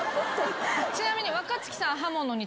ちなみに。